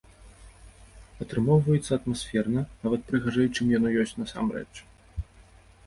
Атрымоўваецца атмасферна, нават прыгажэй, чым яно ёсць насамрэч.